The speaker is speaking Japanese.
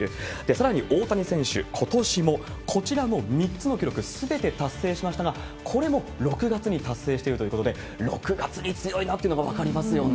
さらに大谷選手、ことしもこちらの３つの記録すべて達成しましたが、これも６月に達成しているということで、６月に強いなっていうのが分かりますよね。